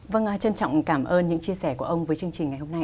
vâng trân trọng cảm ơn những chia sẻ của ông với chương trình ngày hôm nay